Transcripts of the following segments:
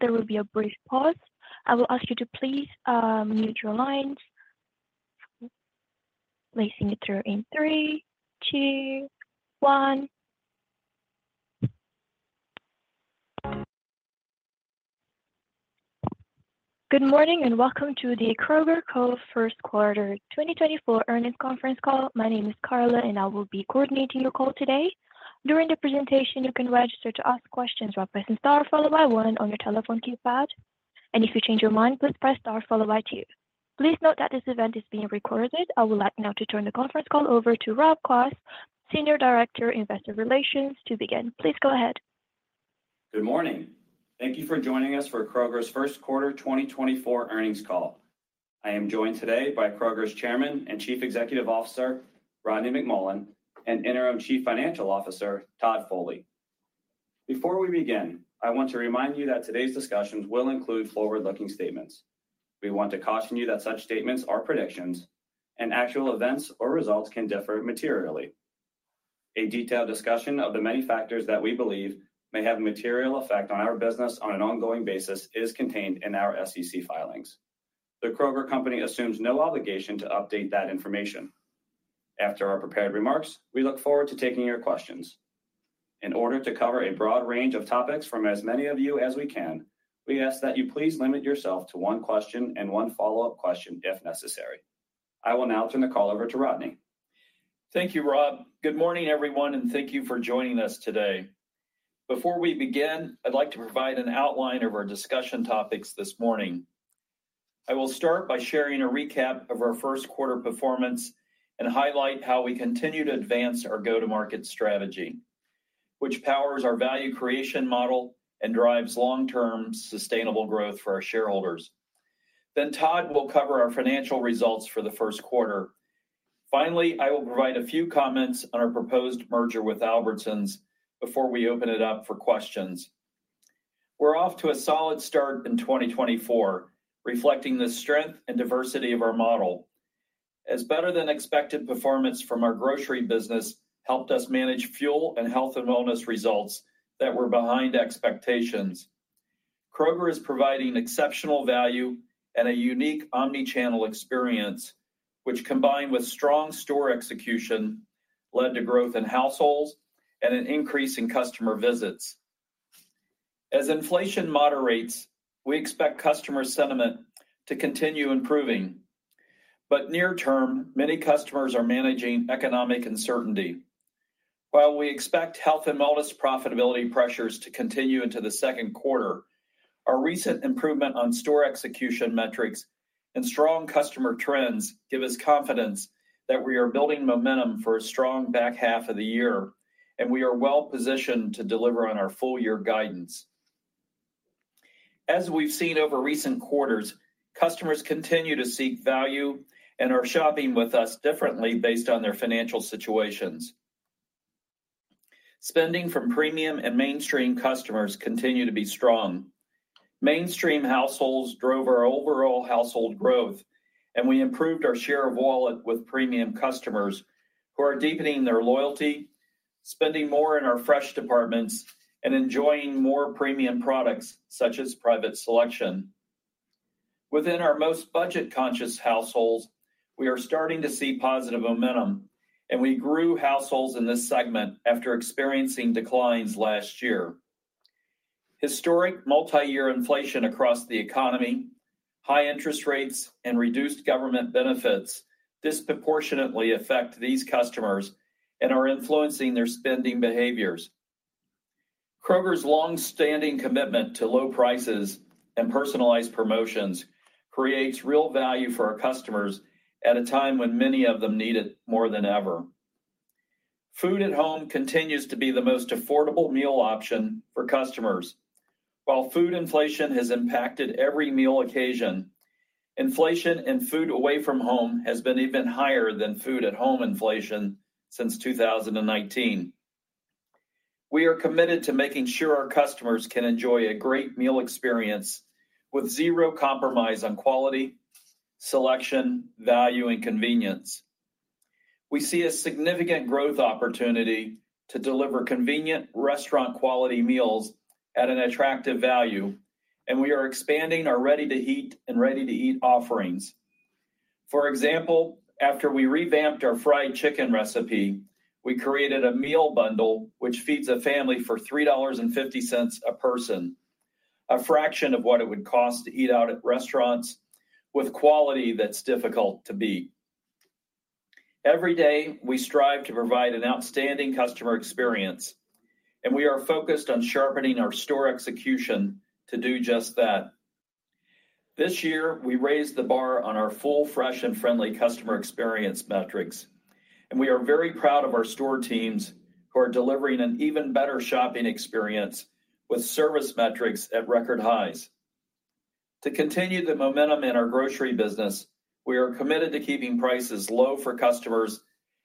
There will be a brief pause. I will ask you to please mute your lines. Placing you through in 3, 2, 1. Good morning, and welcome to the Kroger Co. First Quarter 2024 Earnings Conference Call. My name is Carla, and I will be coordinating your call today. During the presentation, you can register to ask questions by pressing star followed by 1 on your telephone keypad, and if you change your mind, please press star followed by 2. Please note that this event is being recorded. I would like now to turn the conference call over to Rob Quast, Senior Director, Investor Relations, to begin. Please go ahead. Good morning. Thank you for joining us for Kroger's First Quarter 2024 Earnings Call. I am joined today by Kroger's Chairman and Chief Executive Officer, Rodney McMullen, and Interim Chief Financial Officer, Todd Foley. Before we begin, I want to remind you that today's discussions will include forward-looking statements. We want to caution you that such statements are predictions, and actual events or results can differ materially. A detailed discussion of the many factors that we believe may have a material effect on our business on an ongoing basis is contained in our SEC filings. The Kroger company assumes no obligation to update that information. After our prepared remarks, we look forward to taking your questions. In order to cover a broad range of topics from as many of you as we can, we ask that you please limit yourself to one question and one follow-up question if necessary. I will now turn the call over to Rodney. Thank you, Rob. Good morning, everyone, and thank you for joining us today. Before we begin, I'd like to provide an outline of our discussion topics this morning. I will start by sharing a recap of our first quarter performance and highlight how we continue to advance our go-to-market strategy, which powers our value creation model and drives long-term sustainable growth for our shareholders. Then Todd will cover our financial results for the first quarter. Finally, I will provide a few comments on our proposed merger with Albertsons before we open it up for questions. We're off to a solid start in 2024, reflecting the strength and diversity of our model. As better-than-expected performance from our grocery business helped us manage fuel and health and wellness results that were behind expectations. Kroger is providing exceptional value and a unique omni-channel experience, which, combined with strong store execution, led to growth in households and an increase in customer visits. As inflation moderates, we expect customer sentiment to continue improving, but near term, many customers are managing economic uncertainty. While we expect health and wellness profitability pressures to continue into the Q2, our recent improvement on store execution metrics and strong customer trends give us confidence that we are building momentum for a strong back half of the year, and we are well-positioned to deliver on our full-year guidance. As we've seen over recent quarters, customers continue to seek value and are shopping with us differently based on their financial situations. Spending from premium and mainstream customers continue to be strong. Mainstream households drove our overall household growth, and we improved our share of wallet with premium customers who are deepening their loyalty, spending more in our Fresh departments, and enjoying more premium products such as Private Selection. Within our most budget-conscious households, we are starting to see positive momentum, and we grew households in this segment after experiencing declines last year. Historic multi-year inflation across the economy, high interest rates, and reduced government benefits disproportionately affect these customers and are influencing their spending behaviors. Kroger's long-standing commitment to low prices and personalized promotions creates real value for our customers at a time when many of them need it more than ever. Food at home continues to be the most affordable meal option for customers. While food inflation has impacted every meal occasion, inflation and food away from home has been even higher than food at home inflation since 2019. We are committed to making sure our customers can enjoy a great meal experience with zero compromise on quality, selection, value, and convenience. We see a significant growth opportunity to deliver convenient restaurant-quality meals at an attractive value, and we are expanding our ready-to-heat and ready-to-eat offerings. For example, after we revamped our fried chicken recipe, we created a meal bundle which feeds a family for $3.50 a person, a fraction of what it would cost to eat out at restaurants with quality that's difficult to beat. Every day, we strive to provide an outstanding customer experience, and we are focused on sharpening our store execution to do just that. This year, we raised the bar on our Full, Fresh, and Friendly customer experience metrics, and we are very proud of our store teams who are delivering an even better shopping experience with service metrics at record highs. To continue the momentum in our grocery business, we are committed to keeping prices low for customers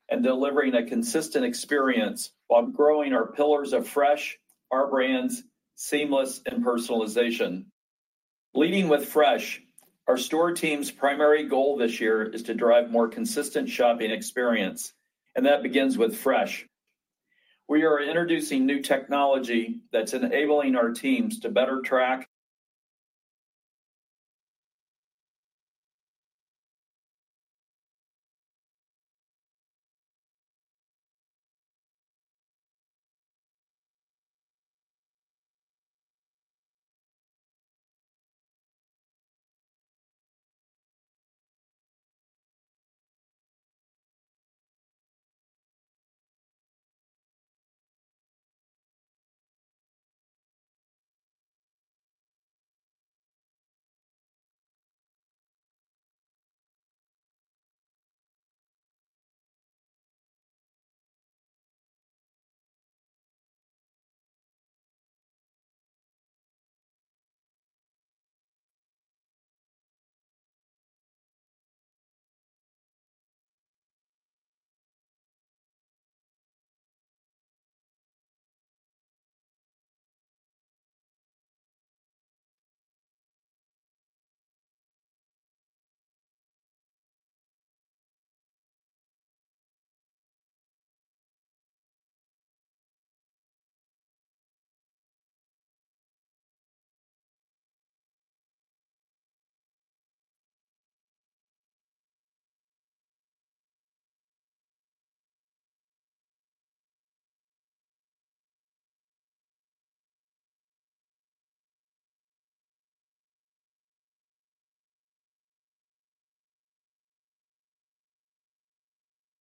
and delivering a consistent experience while growing our pillars of Fresh, Our Brands, seamless, and personalization. Leading with Fresh, our store team's primary goal this year is to drive more consistent shopping experience, and that begins with Fresh. We are introducing new technology that's enabling our teams to better track-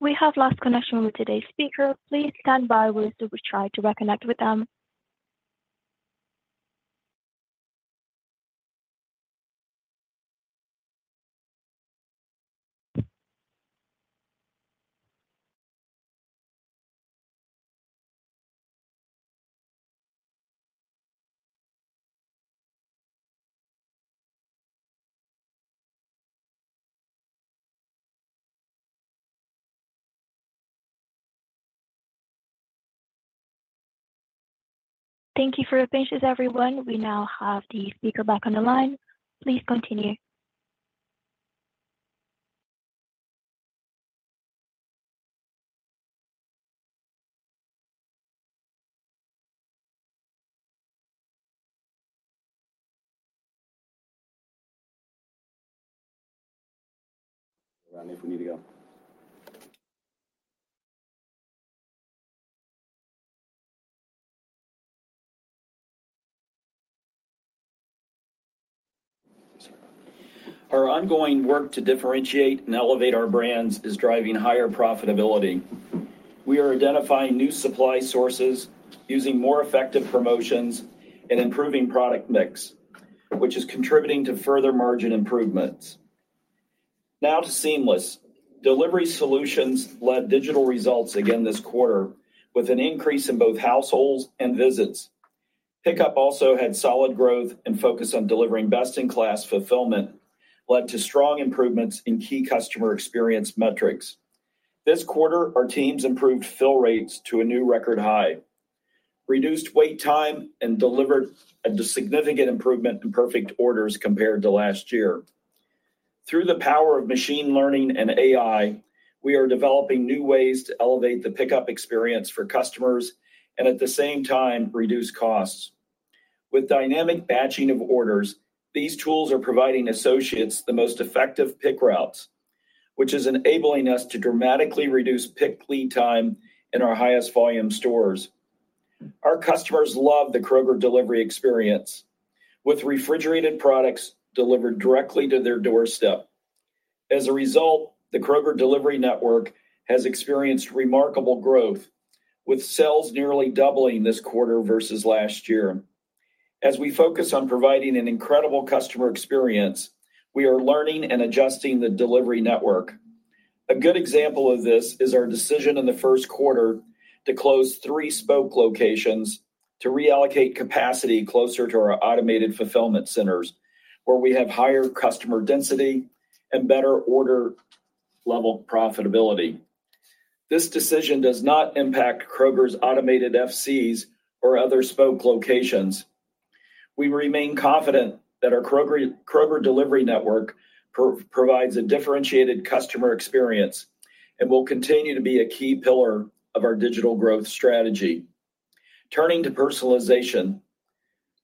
We have lost connection with today's speaker. Please stand by while we try to reconnect with them. Thank you for your patience, everyone. We now have the speaker back on the line. Please continue. If we need to go. Our ongoing work to differentiate and elevate Our Brands is driving higher profitability. We are identifying new supply sources, using more effective promotions, and improving product mix, which is contributing to further margin improvements. Now to Seamless. Delivery solutions led digital results again this quarter, with an increase in both households and visits. Pickup also had solid growth, and focus on delivering best-in-class fulfillment led to strong improvements in key customer experience metrics. This quarter, our teams improved fill rates to a new record high, reduced wait time, and delivered a significant improvement in perfect orders compared to last year. Through the power of machine learning and AI, we are developing new ways to elevate the pickup experience for customers and at the same time, reduce costs. With dynamic batching of orders, these tools are providing associates the most effective pick routes, which is enabling us to dramatically reduce pick lead time in our highest volume stores. Our customers love the Kroger Delivery experience, with refrigerated products delivered directly to their doorstep. As a result, the Kroger Delivery network has experienced remarkable growth, with sales nearly doubling this quarter versus last year. As we focus on providing an incredible customer experience, we are learning and adjusting the delivery network. A good example of this is our decision in the first quarter to close three Spoke locations to reallocate capacity closer to our automated fulfillment centers, where we have higher customer density and better order level profitability. This decision does not impact Kroger's automated FCs or other Spoke locations. We remain confident that our Kroger Delivery network provides a differentiated customer experience and will continue to be a key pillar of our digital growth strategy. Turning to personalization,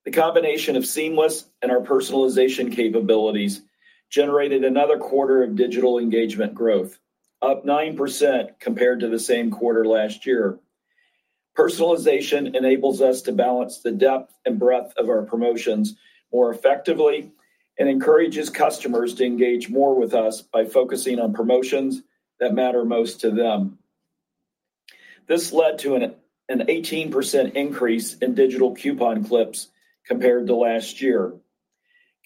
the combination of Seamless and our personalization capabilities generated another quarter of digital engagement growth, up 9% compared to the same quarter last year. Personalization enables us to balance the depth and breadth of our promotions more effectively and encourages customers to engage more with us by focusing on promotions that matter most to them. This led to an 18% increase in digital coupon clips compared to last year.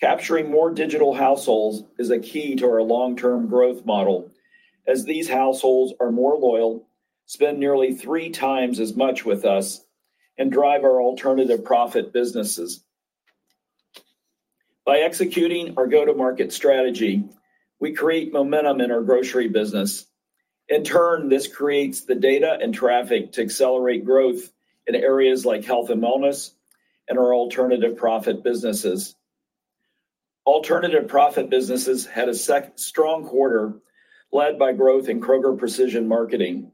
Capturing more digital households is a key to our long-term growth model, as these households are more loyal, spend nearly 3 times as much with us, and drive our alternative profit businesses. By executing our go-to-market strategy, we create momentum in our grocery business. In turn, this creates the data and traffic to accelerate growth in areas like health and wellness and our alternative profit businesses. Alternative profit businesses had a strong quarter, led by growth in Kroger Precision Marketing.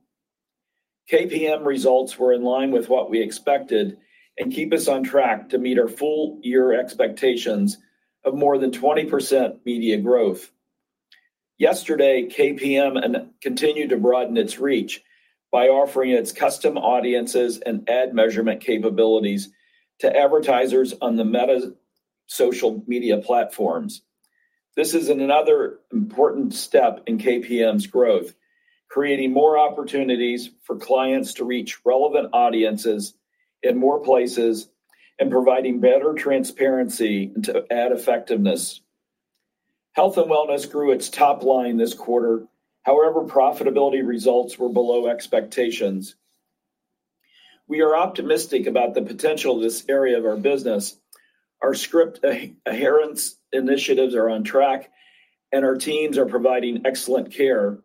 KPM results were in line with what we expected and keep us on track to meet our full year expectations of more than 20% median growth. Yesterday, KPM continued to broaden its reach by offering its custom audiences and ad measurement capabilities to advertisers on the Meta social media platforms. This is another important step in KPM's growth, creating more opportunities for clients to reach relevant audiences in more places and providing better transparency to ad effectiveness. Health and Wellness grew its top line this quarter. However, profitability results were below expectations. We are optimistic about the potential of this area of our business. Our script adherence initiatives are on track, and our teams are providing excellent care,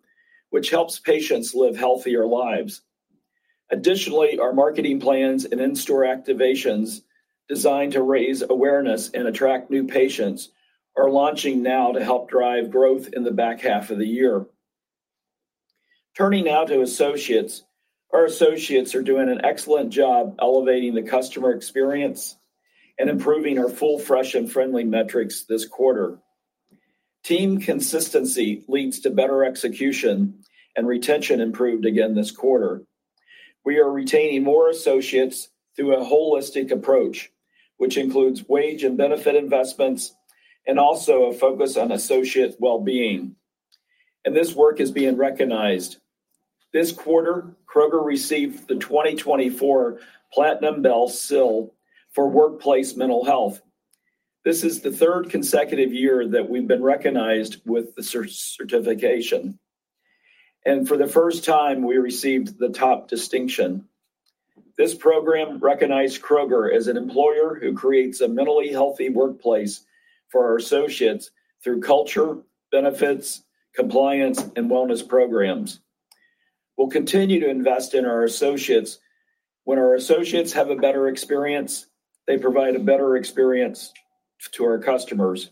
which helps patients live healthier lives. Additionally, our marketing plans and in-store activations, designed to raise awareness and attract new patients, are launching now to help drive growth in the back half of the year. Turning now to associates. Our associates are doing an excellent job elevating the customer experience and improving our full Fresh and friendly metrics this quarter. Team consistency leads to better execution, and retention improved again this quarter. We are retaining more associates through a holistic approach, which includes wage and benefit investments, and also a focus on associate well-being, and this work is being recognized. This quarter, Kroger received the 2024 Platinum Bell Seal for Workplace Mental Health. This is the third consecutive year that we've been recognized with the certification, and for the first time, we received the top distinction. This program recognized Kroger as an employer who creates a mentally healthy workplace for our associates through culture, benefits, compliance, and wellness programs. We'll continue to invest in our associates. When our associates have a better experience, they provide a better experience to our customers.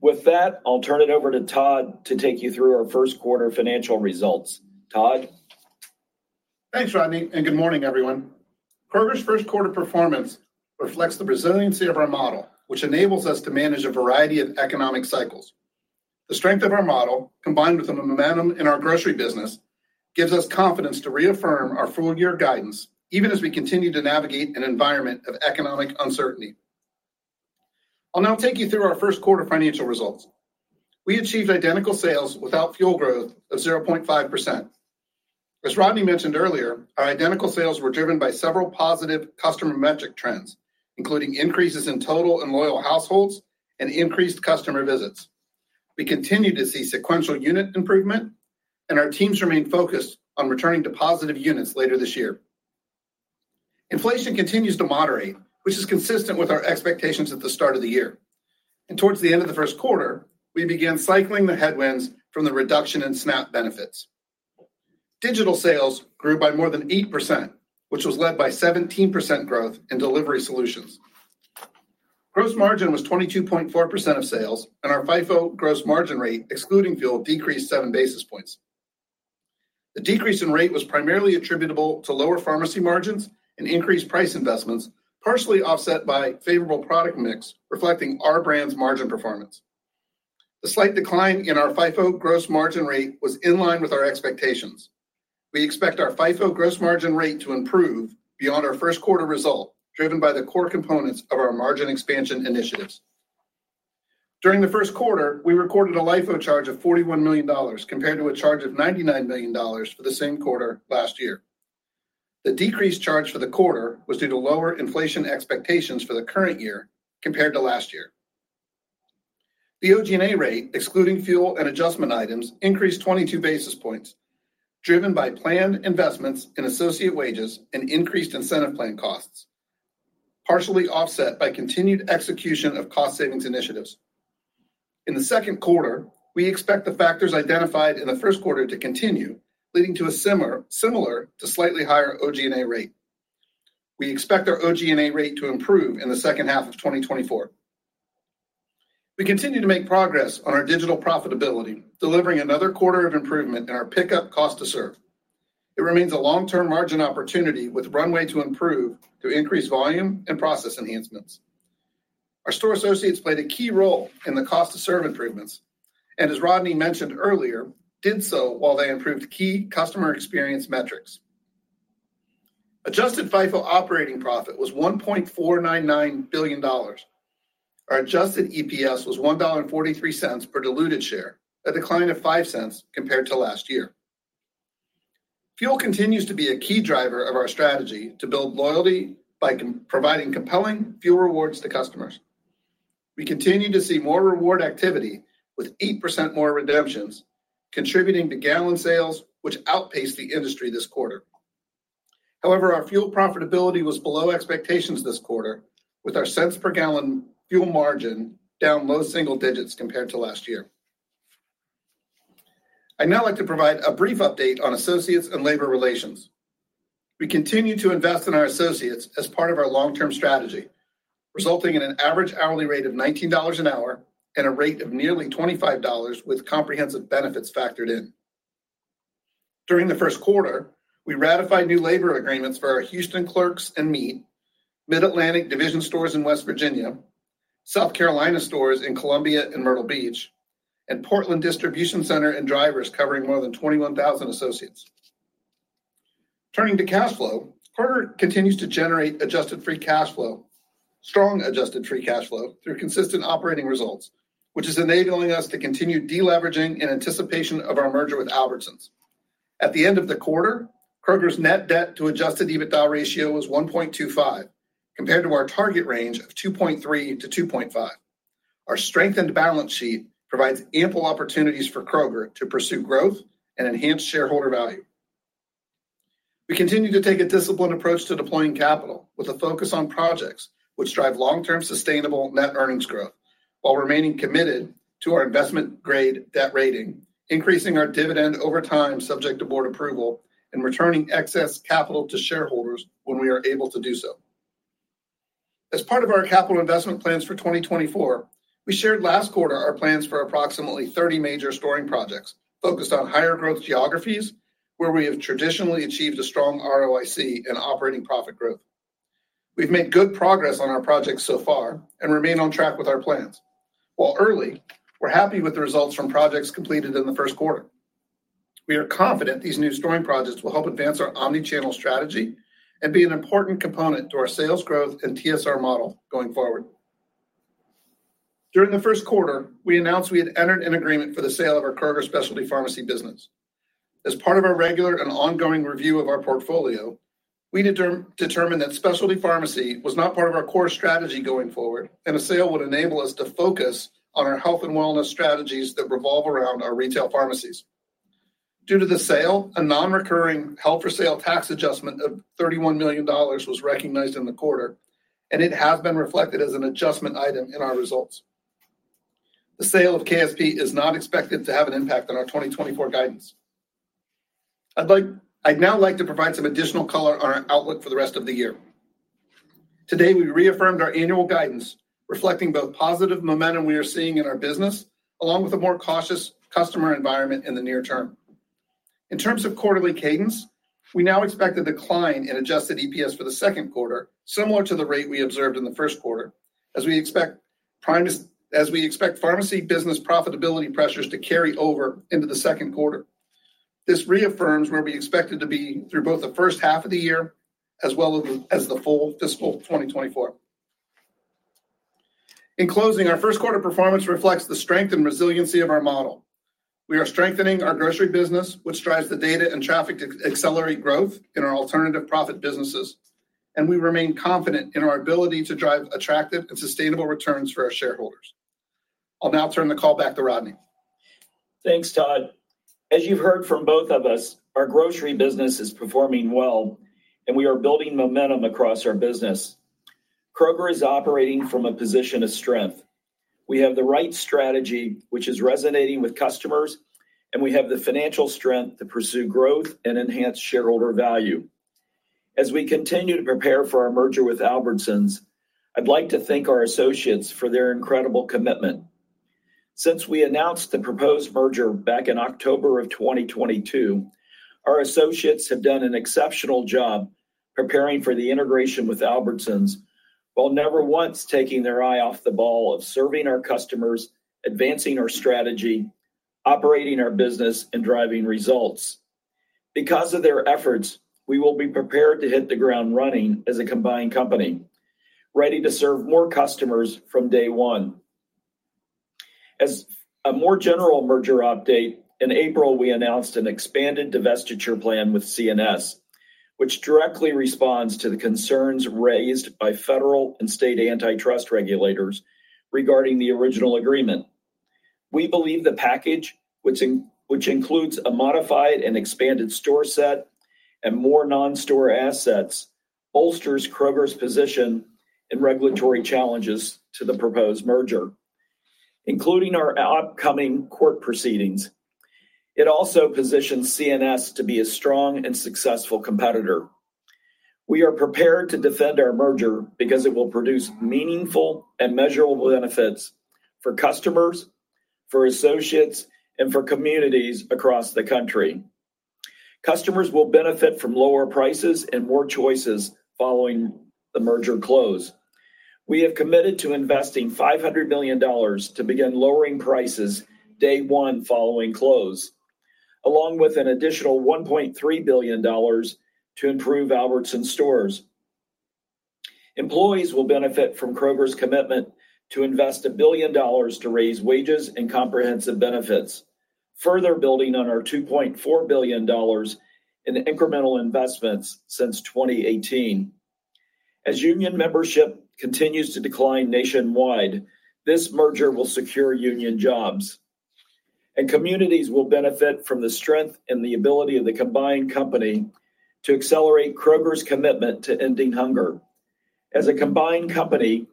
With that, I'll turn it over to Todd to take you through our first quarter financial results. Todd? Thanks, Rodney, and good morning, everyone. Kroger's first quarter performance reflects the resiliency of our model, which enables us to manage a variety of economic cycles. The strength of our model, combined with the momentum in our grocery business, gives us confidence to reaffirm our full year guidance, even as we continue to navigate an environment of economic uncertainty. I'll now take you through our first quarter financial results. We achieved Identical sales without fuel growth of 0.5%. As Rodney mentioned earlier, our Identical sales were driven by several positive customer metric trends, including increases in total and loyal households and increased customer visits. We continue to see sequential unit improvement, and our teams remain focused on returning to positive units later this year. Inflation continues to moderate, which is consistent with our expectations at the start of the year, and towards the end of the first quarter, we began cycling the headwinds from the reduction in SNAP benefits. Digital sales grew by more than 8%, which was led by 17% growth in delivery solutions. Gross margin was 22.4% of sales, and our FIFO gross margin rate, excluding fuel, decreased 7 basis points. The decrease in rate was primarily attributable to lower pharmacy margins and increased price investments, partially offset by favorable product mix, reflecting our brand's margin performance. The slight decline in our FIFO gross margin rate was in line with our expectations. We expect our FIFO gross margin rate to improve beyond our first quarter result, driven by the core components of our margin expansion initiatives. During the first quarter, we recorded a LIFO charge of $41 million, compared to a charge of $99 million for the same quarter last year. The decreased charge for the quarter was due to lower inflation expectations for the current year compared to last year. The OG&A rate, excluding fuel and adjustment items, increased 22 basis points, driven by planned investments in associate wages and increased incentive plan costs, partially offset by continued execution of cost savings initiatives. In the Q2, we expect the factors identified in the first quarter to continue, leading to a similar to slightly higher OG&A rate. We expect our OG&A rate to improve in the second half of 2024. We continue to make progress on our digital profitability, delivering another quarter of improvement in our pickup cost to serve. It remains a long-term margin opportunity with runway to improve through increased volume and process enhancements. Our store associates played a key role in the cost to serve improvements and, as Rodney mentioned earlier, did so while they improved key customer experience metrics. Adjusted FIFO operating profit was $1.499 billion. Our adjusted EPS was $1.43 per diluted share, a decline of 5 cents compared to last year. Fuel continues to be a key driver of our strategy to build loyalty by providing compelling fuel rewards to customers. We continue to see more reward activity with 8% more redemptions, contributing to gallon sales, which outpaced the industry this quarter. However, our fuel profitability was below expectations this quarter, with our cents per gallon fuel margin down low single digits compared to last year. I'd now like to provide a brief update on associates and labor relations. We continue to invest in our associates as part of our long-term strategy, resulting in an average hourly rate of $19 an hour and a rate of nearly $25 with comprehensive benefits factored in. During the first quarter, we ratified new labor agreements for our Houston clerks and meat, Mid-Atlantic Division stores in West Virginia, South Carolina stores in Columbia and Myrtle Beach, and Portland distribution center and drivers covering more than 21,000 associates. Turning to cash flow, Kroger continues to generate adjusted free cash flow, strong adjusted free cash flow through consistent operating results, which is enabling us to continue deleveraging in anticipation of our merger with Albertsons. At the end of the quarter, Kroger's net debt to adjusted EBITDA ratio was 1.25, compared to our target range of 2.3-2.5. Our strengthened balance sheet provides ample opportunities for Kroger to pursue growth and enhance shareholder value. We continue to take a disciplined approach to deploying capital with a focus on projects which drive long-term sustainable net earnings growth, while remaining committed to our investment-grade debt rating, increasing our dividend over time, subject to board approval, and returning excess capital to shareholders when we are able to do so. As part of our capital investment plans for 2024, we shared last quarter our plans for approximately 30 major store projects focused on higher growth geographies, where we have traditionally achieved a strong ROIC and operating profit growth. We've made good progress on our projects so far and remain on track with our plans. While early, we're happy with the results from projects completed in the first quarter. We are confident these new store projects will help advance our omnichannel strategy and be an important component to our sales growth and TSR model going forward. During the first quarter, we announced we had entered an agreement for the sale of our Kroger Specialty Pharmacy business. As part of our regular and ongoing review of our portfolio, we determined that specialty pharmacy was not part of our core strategy going forward, and a sale would enable us to focus on our health and wellness strategies that revolve around our retail pharmacies. Due to the sale, a non-recurring held-for-sale tax adjustment of $31 million was recognized in the quarter, and it has been reflected as an adjustment item in our results. The sale of KSP is not expected to have an impact on our 2024 guidance. I'd now like to provide some additional color on our outlook for the rest of the year. Today, we reaffirmed our annual guidance, reflecting both positive momentum we are seeing in our business, along with a more cautious customer environment in the near term. In terms of quarterly cadence, we now expect a decline in adjusted EPS for the Q2, similar to the rate we observed in the first quarter, as we expect pharmacy business profitability pressures to carry over into the Q2. This reaffirms where we expected to be through both the first half of the year as well as the full fiscal 2024. In closing, our first quarter performance reflects the strength and resiliency of our model. We are strengthening our grocery business, which drives the data and traffic to accelerate growth in our alternative profit businesses, and we remain confident in our ability to drive attractive and sustainable returns for our shareholders. I'll now turn the call back to Rodney. Thanks, Todd. As you've heard from both of us, our grocery business is performing well, and we are building momentum across our business. Kroger is operating from a position of strength. We have the right strategy, which is resonating with customers, and we have the financial strength to pursue growth and enhance shareholder value. As we continue to prepare for our merger with Albertsons, I'd like to thank our associates for their incredible commitment. Since we announced the proposed merger back in October of 2022, our associates have done an exceptional job preparing for the integration with Albertsons, while never once taking their eye off the ball of serving our customers, advancing our strategy, operating our business, and driving results. Because of their efforts, we will be prepared to hit the ground running as a combined company, ready to serve more customers from day one. As a more general merger update, in April, we announced an expanded divestiture plan with C&S, which directly responds to the concerns raised by federal and state antitrust regulators regarding the original agreement. We believe the package, which includes a modified and expanded store set and more non-store assets, bolsters Kroger's position in regulatory challenges to the proposed merger, including our upcoming court proceedings. It also positions C&S to be a strong and successful competitor. We are prepared to defend our merger because it will produce meaningful and measurable benefits for customers, for associates, and for communities across the country. Customers will benefit from lower prices and more choices following the merger close. We have committed to investing $500 million to begin lowering prices day one following close, along with an additional $1.3 billion to improve Albertsons stores. Employees will benefit from Kroger's commitment to invest $1 billion to raise wages and comprehensive benefits, further building on our $2.4 billion in incremental investments since 2018. As union membership continues to decline nationwide, this merger will secure union jobs, and communities will benefit from the strength and the ability of the combined company to accelerate Kroger's commitment to ending hunger. As a combined company,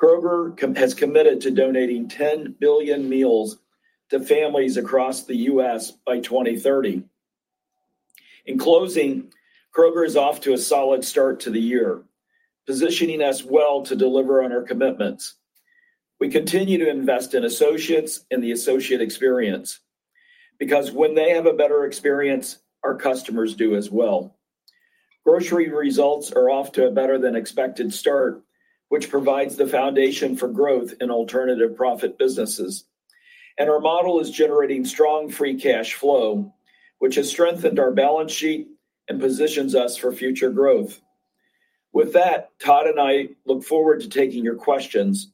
Kroger has committed to donating 10 billion meals to families across the U.S. by 2030. In closing, Kroger is off to a solid start to the year, positioning us well to deliver on our commitments. We continue to invest in associates and the associate experience, because when they have a better experience, our customers do as well. Grocery results are off to a better-than-expected start, which provides the foundation for growth in alternative profit businesses. Our model is generating strong free cash flow, which has strengthened our balance sheet and positions us for future growth. With that, Todd and I look forward to taking your questions.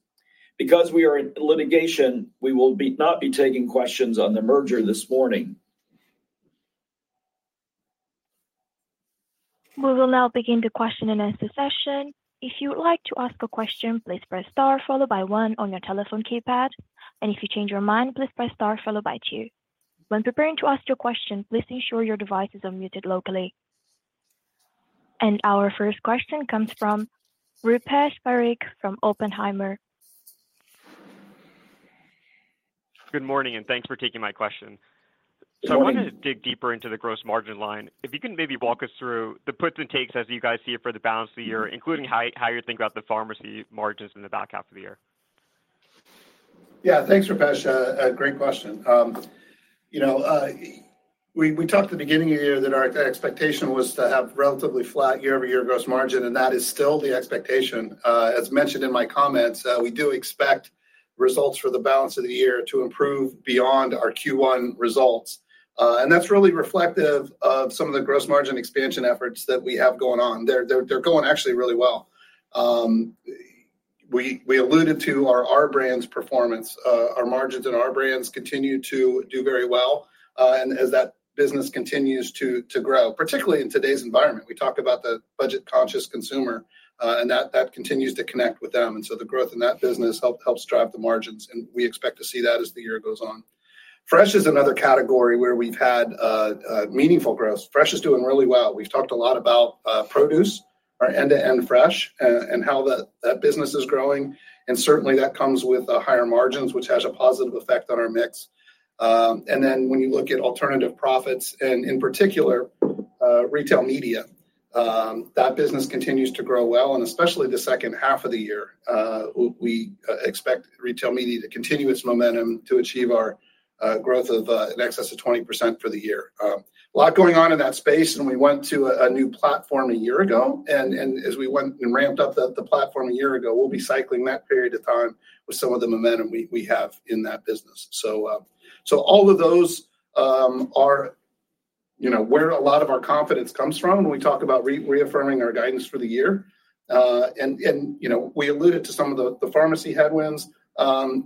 Because we are in litigation, we will not be taking questions on the merger this morning. We will now begin the question and answer session. If you would like to ask a question, please press star followed by one on your telephone keypad, and if you change your mind, please press star followed by two. When preparing to ask your question, please ensure your device is unmuted locally. Our first question comes from Rupesh Parikh from Oppenheimer. Good morning, and thanks for taking my question. Good morning. So I wanted to dig deeper into the gross margin line. If you can maybe walk us through the puts and takes as you guys see it for the balance of the year, including how you think about the pharmacy margins in the back half of the year. Yeah, thanks, Rupesh. A great question. You know, we talked at the beginning of the year that our expectation was to have relatively flat year-over-year gross margin, and that is still the expectation. As mentioned in my comments, we do expect results for the balance of the year to improve beyond our Q1 results. And that's really reflective of some of the gross margin expansion efforts that we have going on. They're going actually really well. We alluded to Our Brands performance. Our margins in Our Brands continue to do very well, and as that business continues to grow, particularly in today's environment. We talked about the budget-conscious consumer, and that continues to connect with them. The growth in that business helps drive the margins, and we expect to see that as the year goes on. Fresh is another category where we've had meaningful growth. Fresh is doing really well. We've talked a lot about produce, our end-to-end Fresh, and how that business is growing, and certainly that comes with higher margins, which has a positive effect on our mix. And then when you look at alternative profits and in particular, retail media, that business continues to grow well, and especially the second half of the year. We expect retail media to continue its momentum to achieve our growth of in excess of 20% for the year. A lot going on in that space, and we went to a new platform a year ago, and as we went and ramped up the platform a year ago, we'll be cycling that period of time with some of the momentum we have in that business. So, so all of those are, you know, where a lot of our confidence comes from when we talk about reaffirming our guidance for the year. And, you know, we alluded to some of the pharmacy headwinds.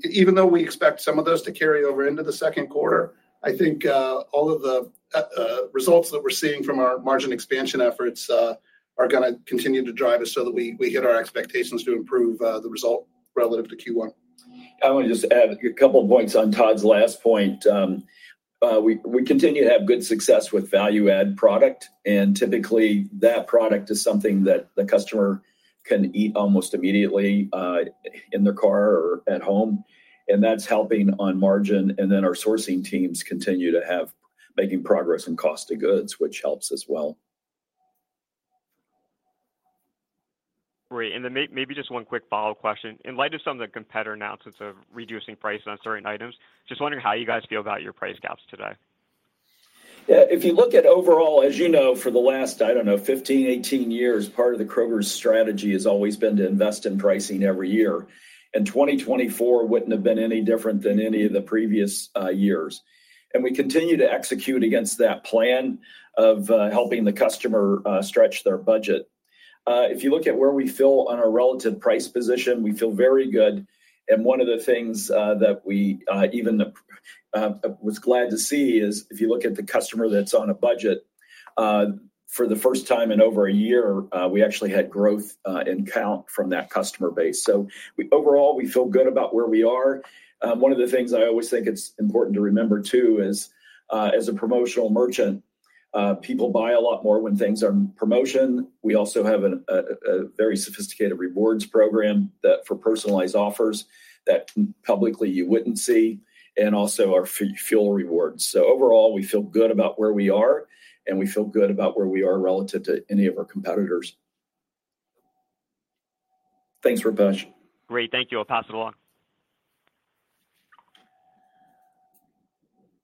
Even though we expect some of those to carry over into the Q2, I think all of the results that we're seeing from our margin expansion efforts are gonna continue to drive us so that we hit our expectations to improve the result relative to Q1. I wanna just add a couple points on Todd's last point. We continue to have good success with value add product, and typically, that product is something that the customer can eat almost immediately in their car or at home, and that's helping on margin. And then our sourcing teams continue to have making progress in cost of goods, which helps as well. Great. And then maybe just one quick follow-up question. In light of some of the competitor announcements of reducing price on certain items, just wondering how you guys feel about your price gaps today? Yeah, if you look at overall, as you know, for the last, I don't know, 15, 18 years, part of the Kroger's strategy has always been to invest in pricing every year, and 2024 wouldn't have been any different than any of the previous years. And we continue to execute against that plan of helping the customer stretch their budget. If you look at where we feel on our relative price position, we feel very good. And one of the things that we even we were glad to see is, if you look at the customer that's on a budget, for the first time in over a year, we actually had growth in count from that customer base. So overall, we feel good about where we are. One of the things I always think it's important to remember too is, as a promotional merchant, people buy a lot more when things are on promotion. We also have a very sophisticated rewards program that for personalized offers that publicly you wouldn't see, and also our fuel rewards. So overall, we feel good about where we are, and we feel good about where we are relative to any of our competitors. Thanks, Rupesh. Great. Thank you. I'll pass it along.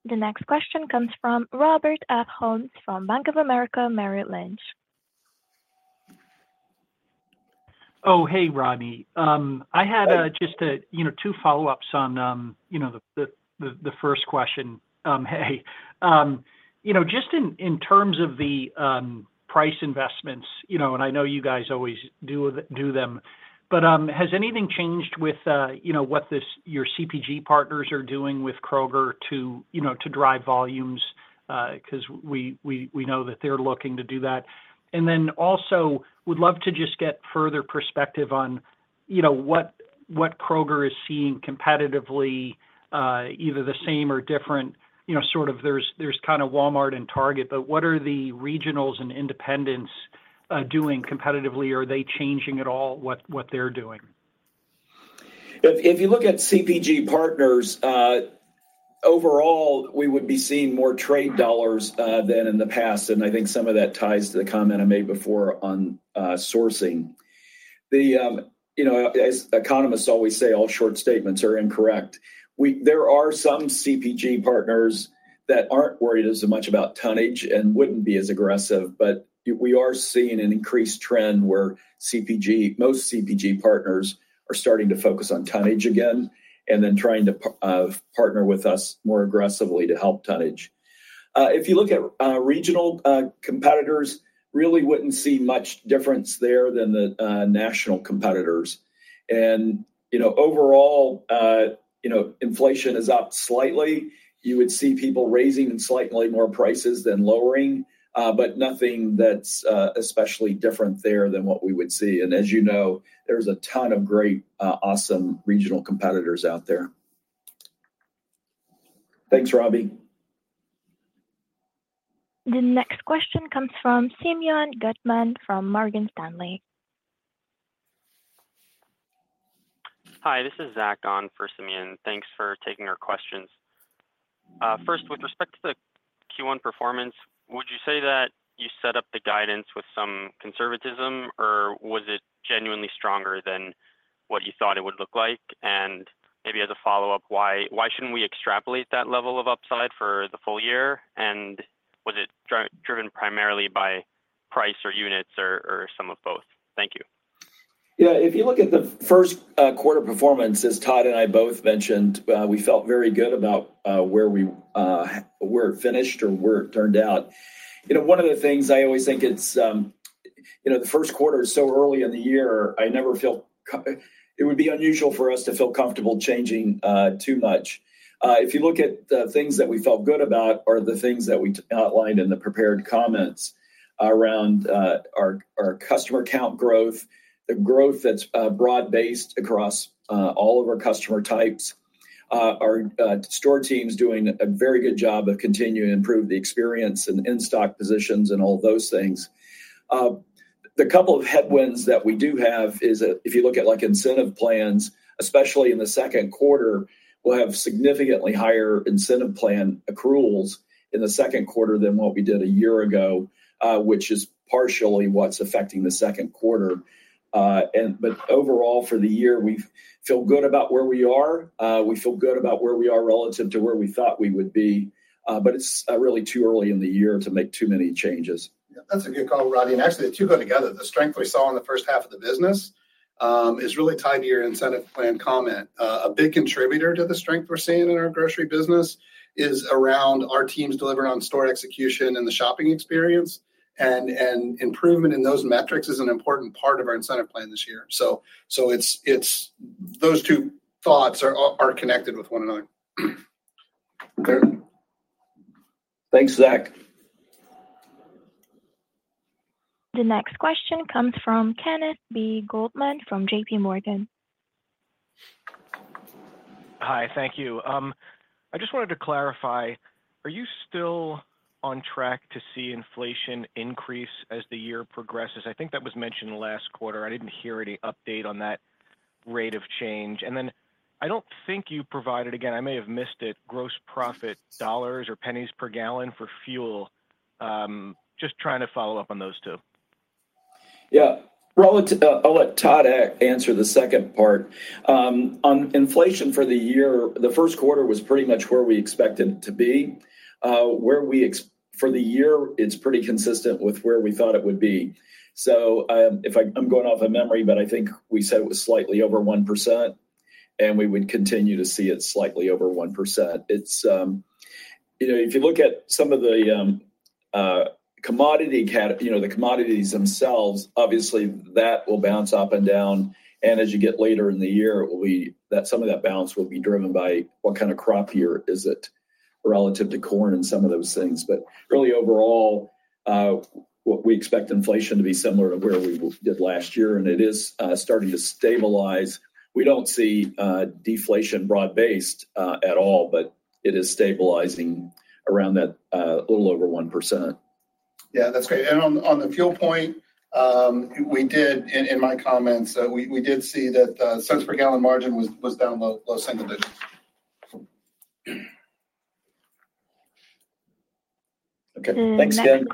The next question comes from Robert Ohmes from Bank of America, Merrill Lynch. Oh, hey, Rodney. I had just a, you know, two follow-ups on, you know, the first question. Hey, you know, just in terms of the price investments, you know, and I know you guys always do with—do them, but has anything changed with, you know, what this, your CPG partners are doing with Kroger to, you know, to drive volumes? 'Cause we know that they're looking to do that. And then also, would love to just get further perspective on uh-... you know, what, what Kroger is seeing competitively, either the same or different, you know, sort of there's, there's kind of Walmart and Target, but what are the regionals and independents doing competitively? Are they changing at all what, what they're doing? If you look at CPG partners, overall, we would be seeing more trade dollars than in the past, and I think some of that ties to the comment I made before on sourcing. You know, as economists always say, all short statements are incorrect. There are some CPG partners that aren't worried as much about tonnage and wouldn't be as aggressive, but we are seeing an increased trend where CPG, most CPG partners are starting to focus on tonnage again and then trying to partner with us more aggressively to help tonnage. If you look at regional competitors, really wouldn't see much difference there than the national competitors. And, you know, overall, you know, inflation is up slightly. You would see people raising slightly more prices than lowering, but nothing that's especially different there than what we would see. As you know, there's a ton of great, awesome regional competitors out there. Thanks, Robbie. The next question comes from Simeon Gutman from Morgan Stanley. Hi, this is Zach on for Simeon. Thanks for taking our questions. First, with respect to the Q1 performance, would you say that you set up the guidance with some conservatism, or was it genuinely stronger than what you thought it would look like? And maybe as a follow-up, why shouldn't we extrapolate that level of upside for the full year? And was it driven primarily by price or units or some of both? Thank you. Yeah, if you look at the first quarter performance, as Todd and I both mentioned, we felt very good about where it finished or where it turned out. You know, one of the things I always think it's... You know, the first quarter is so early in the year, I never feel comfortable. It would be unusual for us to feel comfortable changing too much. If you look at the things that we felt good about are the things that we outlined in the prepared comments around our customer count growth, the growth that's broad-based across all of our customer types. Our store team's doing a very good job of continuing to improve the experience and in-stock positions and all those things. The couple of headwinds that we do have is that if you look at, like, incentive plans, especially in the Q2, we'll have significantly higher incentive plan accruals in the Q2 than what we did a year ago, which is partially what's affecting the Q2. And but overall, for the year, we feel good about where we are. We feel good about where we are relative to where we thought we would be, but it's really too early in the year to make too many changes. Yeah, that's a good call, Rodney. Actually, the two go together. The strength we saw in the first half of the business is really tied to your incentive plan comment. A big contributor to the strength we're seeing in our grocery business is around our teams delivering on store execution and the shopping experience, and improvement in those metrics is an important part of our incentive plan this year. So it's those two thoughts are all connected with one another. Thanks, Zach. The next question comes from Kenneth Goldman from JPMorgan. Hi, thank you. I just wanted to clarify, are you still on track to see inflation increase as the year progresses? I think that was mentioned last quarter. I didn't hear any update on that rate of change. And then I don't think you provided, again, I may have missed it, gross profit dollars or pennies per gallon for fuel. Just trying to follow up on those two. Yeah. Relative. I'll let Todd answer the second part. On inflation for the year, the first quarter was pretty much where we expected it to be. Where we for the year, it's pretty consistent with where we thought it would be. So, I'm going off of memory, but I think we said it was slightly over 1%, and we would continue to see it slightly over 1%. It's, you know, if you look at some of the commodity, you know, the commodities themselves, obviously, that will bounce up and down, and as you get later in the year, it will be, that some of that balance will be driven by what kind of crop year is it relative to corn and some of those things. But really overall, what we expect inflation to be similar to where we did last year, and it is starting to stabilize. We don't see deflation broad-based at all, but it is stabilizing around that little over 1%. Yeah, that's great. And on the fuel point, we did, in my comments, we did see that, cents per gallon margin was down low single digits. Okay. Thanks, Ken. The next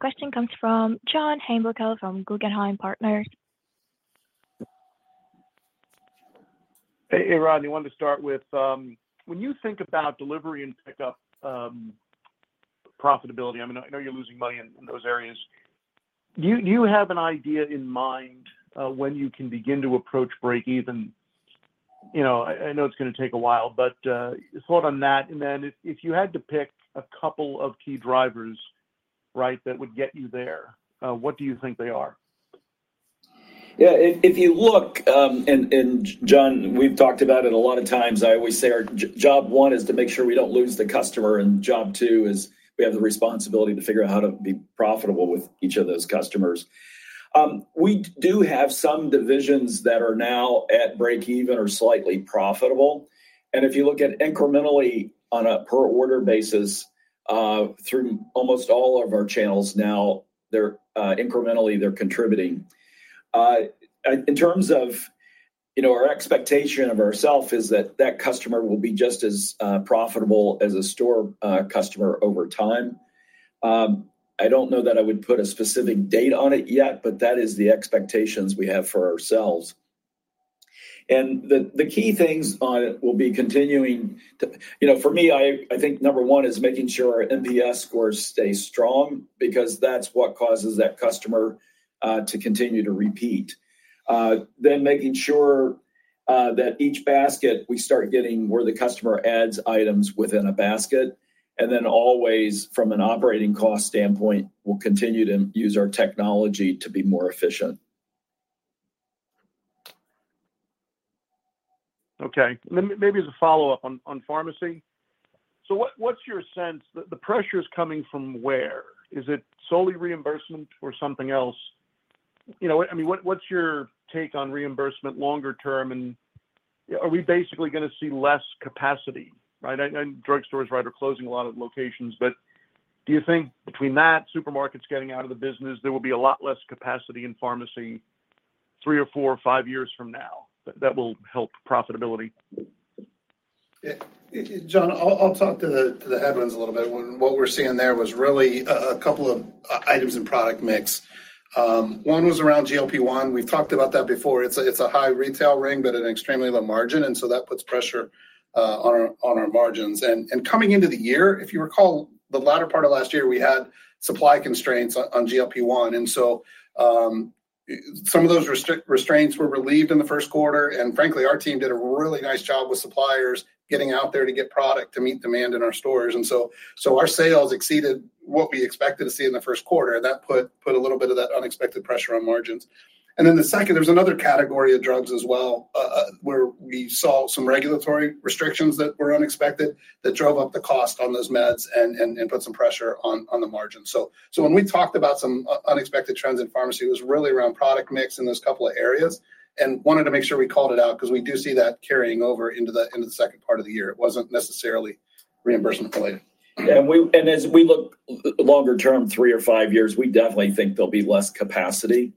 question comes from John Heinbockel from Guggenheim Partners. Hey, Rodney, wanted to start with when you think about delivery and pickup profitability. I mean, I know you're losing money in those areas. Do you have an idea in mind when you can begin to approach breakeven? You know, I know it's gonna take a while, but just thought on that, and then if you had to pick a couple of key drivers, right, that would get you there, what do you think they are?... Yeah, if you look, and John, we've talked about it a lot of times. I always say our job one is to make sure we don't lose the customer, and job two is we have the responsibility to figure out how to be profitable with each of those customers. We do have some divisions that are now at break even or slightly profitable. And if you look at incrementally on a per order basis, through almost all of our channels now, they're incrementally contributing. In terms of, you know, our expectation of ourself is that that customer will be just as profitable as a store customer over time. I don't know that I would put a specific date on it yet, but that is the expectations we have for ourselves. The key things on it will be continuing to, You know, for me, I think number one is making sure our NPS scores stay strong, because that's what causes that customer to continue to repeat. Then making sure that each basket we start getting where the customer adds items within a basket, and then always from an operating cost standpoint, we'll continue to use our technology to be more efficient. Okay. Let me, maybe as a follow-up on, on pharmacy. So what, what's your sense... The pressure is coming from where? Is it solely reimbursement or something else? You know, I mean, what, what's your take on reimbursement longer term, and are we basically gonna see less capacity, right? And drugstores, right, are closing a lot of locations, but do you think between that, supermarkets getting out of the business, there will be a lot less capacity in pharmacy three or four or five years from now, that will help profitability? Yeah. John, I'll talk to the headlines a little bit. What we're seeing there was really a couple of items and product mix. One was around GLP-1. We've talked about that before. It's a high retail ring, but an extremely low margin, and so that puts pressure on our margins. And coming into the year, if you recall, the latter part of last year, we had supply constraints on GLP-1. And so, some of those restraints were relieved in the first quarter, and frankly, our team did a really nice job with suppliers, getting out there to get product to meet demand in our stores. And so our sales exceeded what we expected to see in the first quarter, and that put a little bit of that unexpected pressure on margins. And then the second, there's another category of drugs as well, where we saw some regulatory restrictions that were unexpected, that drove up the cost on those meds and put some pressure on the margin. So when we talked about some unexpected trends in pharmacy, it was really around product mix in those couple of areas, and wanted to make sure we called it out because we do see that carrying over into the second part of the year. It wasn't necessarily reimbursement related. And as we look longer term, three or five years, we definitely think there'll be less capacity.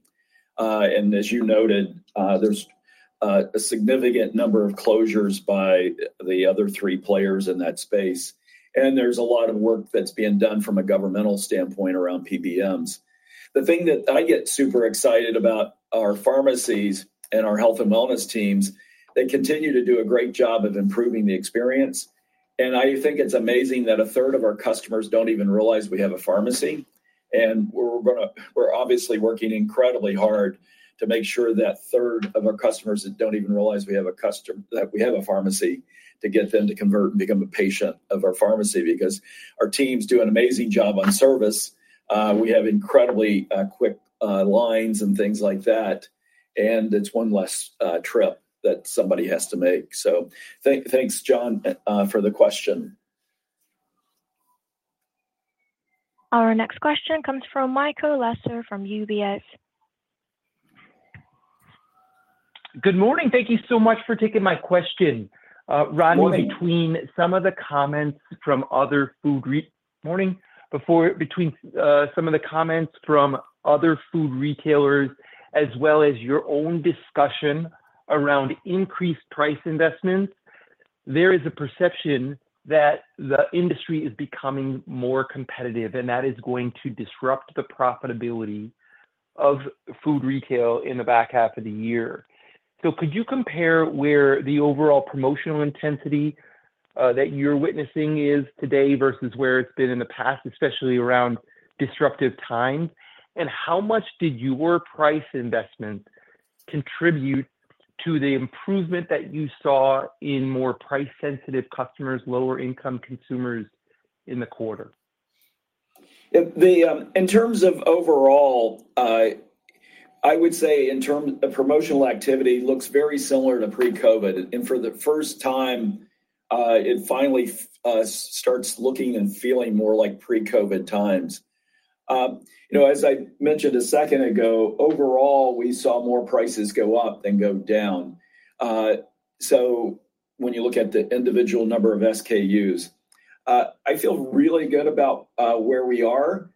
And as you noted, there's a significant number of closures by the other three players in that space, and there's a lot of work that's being done from a governmental standpoint around PBMs. The thing that I get super excited about, our pharmacies and our health and wellness teams, they continue to do a great job of improving the experience. And I think it's amazing that a third of our customers don't even realize we have a pharmacy, and we're gonna we're obviously working incredibly hard to make sure that third of our customers that don't even realize we have a pharmacy, to get them to convert and become a patient of our pharmacy, because our teams do an amazing job on service. We have incredibly quick lines and things like that, and it's one less trip that somebody has to make. So thanks, John, for the question. Our next question comes from Michael Lasser, from UBS. Good morning. Thank you so much for taking my question. Morning. Right between some of the comments from other food retailers, as well as your own discussion around increased price investments, there is a perception that the industry is becoming more competitive, and that is going to disrupt the profitability of food retail in the back half of the year. So could you compare where the overall promotional intensity that you're witnessing is today versus where it's been in the past, especially around disruptive times? And how much did your price investment contribute to the improvement that you saw in more price-sensitive customers, lower-income consumers in the quarter? In terms of overall, I would say in terms of promotional activity, looks very similar to pre-COVID, and for the first time, it finally starts looking and feeling more like pre-COVID times. You know, as I mentioned a second ago, overall, we saw more prices go up than go down. So when you look at the individual number of SKUs, I feel really good about where we are,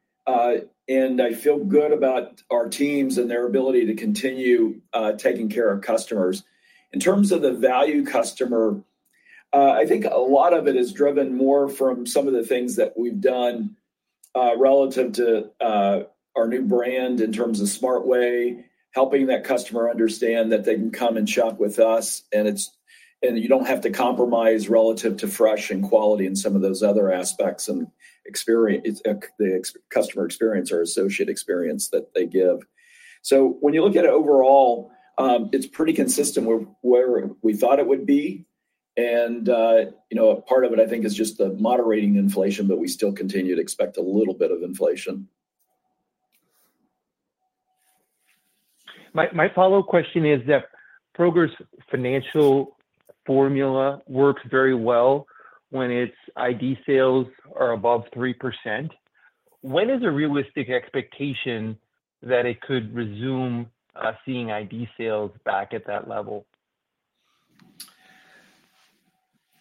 and I feel good about our teams and their ability to continue taking care of customers. In terms of the value customer, I think a lot of it is driven more from some of the things that we've done, relative to, our new brand in terms of Smart Way, helping that customer understand that they can come and shop with us, and you don't have to compromise relative to Fresh and quality and some of those other aspects and experience, the existing customer experience or associate experience that they give. So when you look at it overall, it's pretty consistent with where we thought it would be. And, you know, a part of it, I think, is just the moderating inflation, but we still continue to expect a little bit of inflation. My, my follow-up question is that Kroger's financial formula works very well when its ID sales are above 3%. When is a realistic expectation that it could resume seeing ID sales back at that level?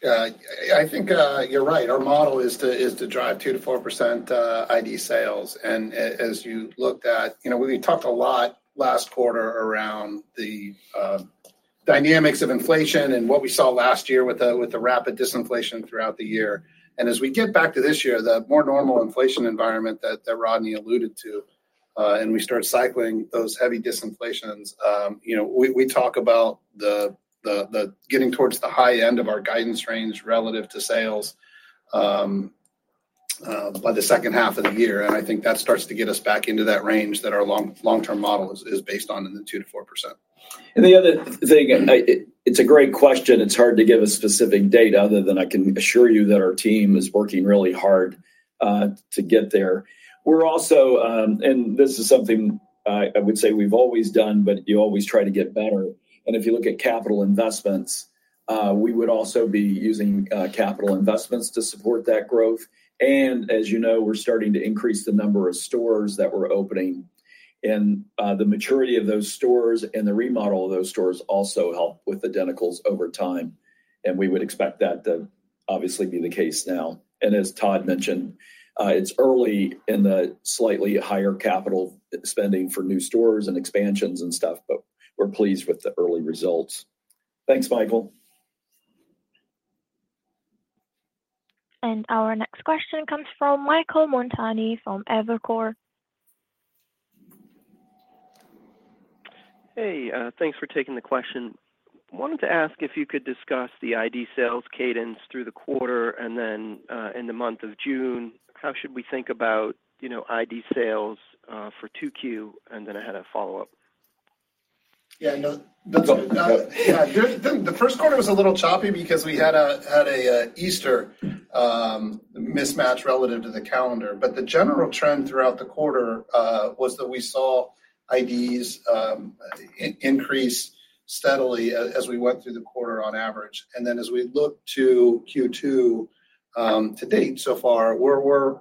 I think, you're right. Our model is to drive 2%-4% ID sales. And as you looked at... You know, we talked a lot last quarter around the dynamics of inflation and what we saw last year with the rapid disinflation throughout the year. And as we get back to this year, the more normal inflation environment that Rodney alluded to, and we start cycling those heavy disinflations, you know, we talk about the getting towards the high end of our guidance range relative to sales, by the second half of the year. And I think that starts to get us back into that range that our long-term model is based on in the 2%-4%. And the other thing, it's a great question. It's hard to give a specific date, other than I can assure you that our team is working really hard to get there. We're also, and this is something I would say we've always done, but you always try to get better. And if you look at capital investments, we would also be using capital investments to support that growth. And as you know, we're starting to increase the number of stores that we're opening. And the maturity of those stores and the remodel of those stores also help with the deciles over time, and we would expect that to obviously be the case now. And as Todd mentioned, it's early in the slightly higher capital spending for new stores and expansions and stuff, but we're pleased with the early results. Thanks, Michael. Our next question comes from Michael Montani from Evercore ISI. Hey, thanks for taking the question. Wanted to ask if you could discuss the ID sales cadence through the quarter, and then, in the month of June, how should we think about, you know, ID sales, for 2Q? And then I had a follow-up. Yeah, no, that's... Yeah. The first quarter was a little choppy because we had a Easter mismatch relative to the calendar. But the general trend throughout the quarter was that we saw IDs increase steadily as we went through the quarter on average. And then as we look to Q2 to date so far, we're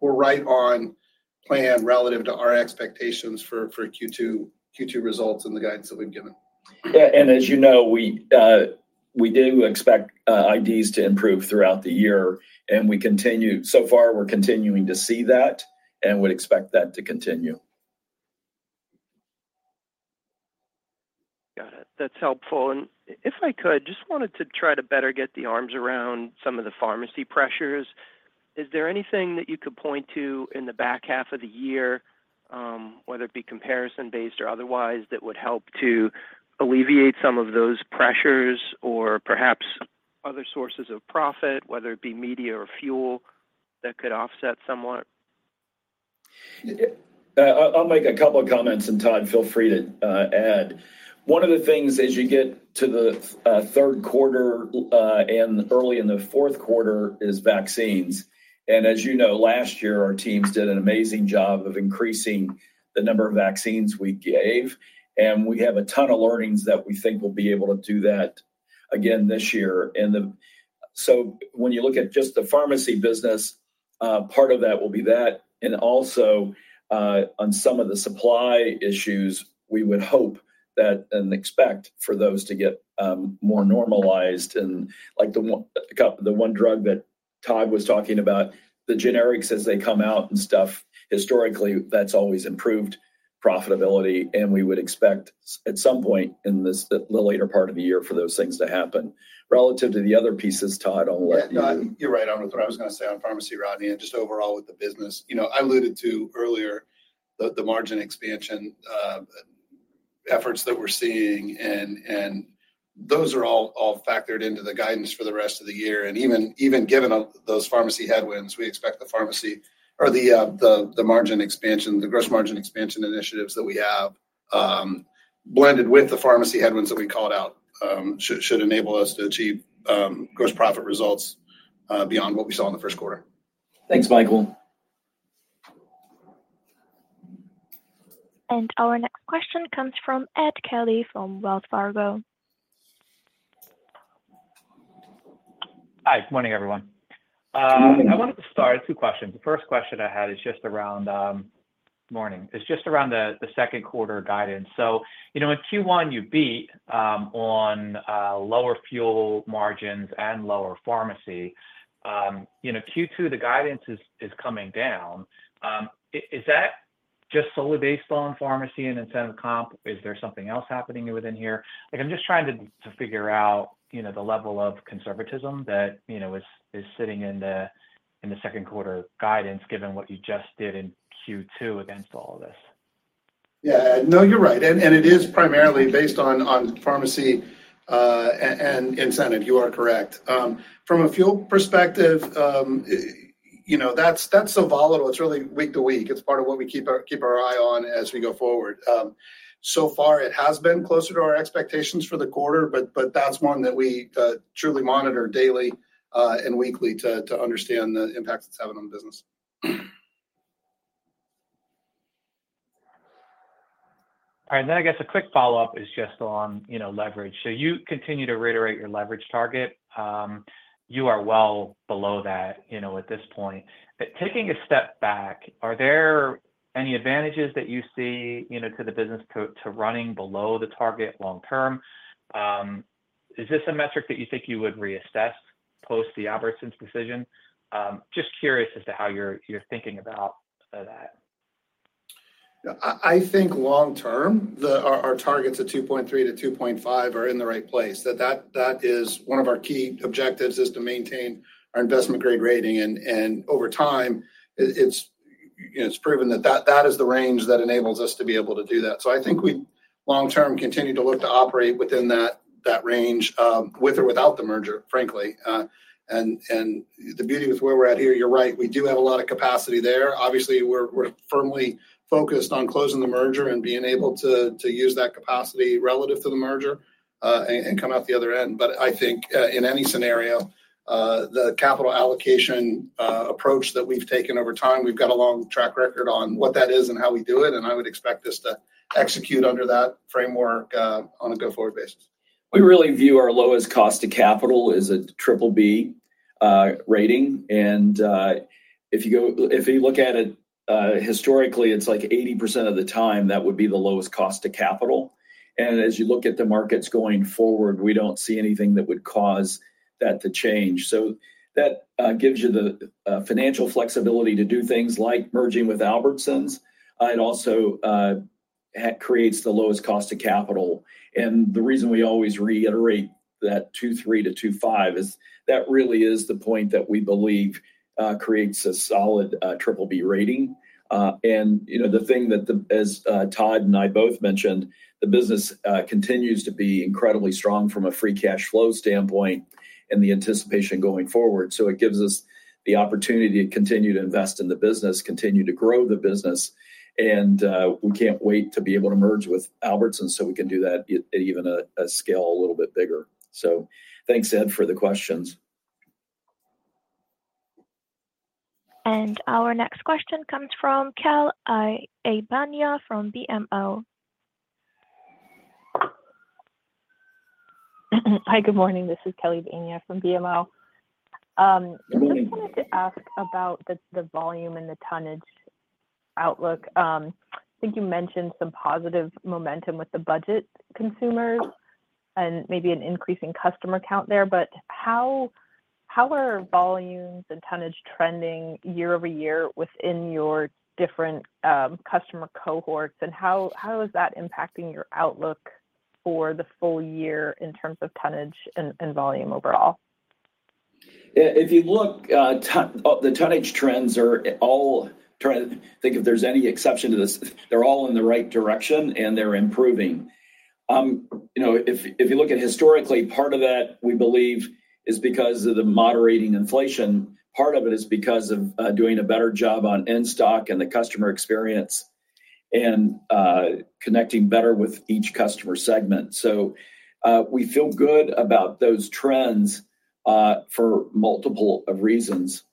right on plan relative to our expectations for Q2 results and the guidance that we've given. Yeah. As you know, we do expect IDs to improve throughout the year, and so far, we're continuing to see that and would expect that to continue. Got it. That's helpful. And if I could, just wanted to try to better get the arms around some of the pharmacy pressures. Is there anything that you could point to in the back half of the year, whether it be comparison-based or otherwise, that would help to alleviate some of those pressures or perhaps other sources of profit, whether it be media or fuel, that could offset somewhat? I'll make a couple of comments, and Todd, feel free to add. One of the things as you get to the third quarter and early in the fourth quarter is vaccines. And as you know, last year, our teams did an amazing job of increasing the number of vaccines we gave, and we have a ton of learnings that we think will be able to do that again this year. So when you look at just the pharmacy business, part of that will be that. And also, on some of the supply issues, we would hope that, and expect, for those to get more normalized. And like the one drug that Todd was talking about, the generics as they come out and stuff, historically, that's always improved profitability, and we would expect at some point in this, the later part of the year, for those things to happen. Relative to the other pieces, Todd, I'll let you- Yeah. You're right on with what I was gonna say on pharmacy, Rodney, and just overall with the business. You know, I alluded to earlier the margin expansion efforts that we're seeing, and those are all factored into the guidance for the rest of the year. Even given those pharmacy headwinds, we expect the margin expansion, the gross margin expansion initiatives that we have blended with the pharmacy headwinds that we called out should enable us to achieve gross profit results beyond what we saw in the first quarter. Thanks, Michael. Our next question comes from Ed Kelly, from Wells Fargo. Hi. Good morning, everyone. I wanted to start, two questions. The first question I had is just around the Q2 guidance. So, you know, in Q1, you beat on lower fuel margins and lower pharmacy. You know, Q2, the guidance is coming down. Is that just solely based on pharmacy and incentive comp? Is there something else happening within here? Like, I'm just trying to figure out, you know, the level of conservatism that, you know, is sitting in the Q2 guidance, given what you just did in Q2 against all of this. Yeah. No, you're right. And it is primarily based on pharmacy and incentive. You are correct. From a fuel perspective, you know, that's so volatile. It's really week to week. It's part of what we keep our eye on as we go forward. So far, it has been closer to our expectations for the quarter, but that's one that we truly monitor daily and weekly to understand the impact it's having on the business. All right. And then I guess a quick follow-up is just on, you know, leverage. So you continue to reiterate your leverage target. You are well below that, you know, at this point. But taking a step back, are there any advantages that you see, you know, to the business to running below the target long term? Is this a metric that you think you would reassess post the Albertsons decision? Just curious as to how you're thinking about that. Yeah, I think long term, our targets of 2.3-2.5 are in the right place. That is one of our key objectives, is to maintain our investment-grade rating, and over time, it's proven that that is the range that enables us to be able to do that. So I think we long term continue to look to operate within that range, with or without the merger, frankly. And the beauty with where we're at here, you're right, we do have a lot of capacity there. Obviously, we're firmly focused on closing the merger and being able to use that capacity relative to the merger, and come out the other end. But I think, in any scenario, the capital allocation approach that we've taken over time. We've got a long track record on what that is and how we do it, and I would expect us to execute under that framework, on a go-forward basis. We really view our lowest cost to capital as a triple-B rating, and if you look at it historically, it's like 80% of the time that would be the lowest cost to capital. And as you look at the markets going forward, we don't see anything that would cause that to change. So that gives you the financial flexibility to do things like merging with Albertsons. It also creates the lowest cost of capital. And the reason we always reiterate that 2.3-2.5 is that really is the point that we believe creates a solid triple-B rating. And you know, the thing that, as Todd and I both mentioned, the business continues to be incredibly strong from a free cash flow standpoint and the anticipation going forward. So it gives us the opportunity to continue to invest in the business, continue to grow the business, and we can't wait to be able to merge with Albertsons, so we can do that at even a scale a little bit bigger. So thanks, Ed, for the questions. Our next question comes from Kelly Bania from BMO. Hi, good morning. This is Kelly Bania from BMO. Good morning. I just wanted to ask about the, the volume and the tonnage outlook. I think you mentioned some positive momentum with the budget consumers and maybe an increase in customer count there, but how, how are volumes and tonnage trending year-over-year within your different customer cohorts? And how, how is that impacting your outlook for the full year in terms of tonnage and, and volume overall? If you look, the tonnage trends are all in the right direction, and they're improving. You know, if you look at historically, part of that, we believe, is because of the moderating inflation. Part of it is because of doing a better job on in-stock and the customer experience and connecting better with each customer segment. So, we feel good about those trends for multiple of reasons.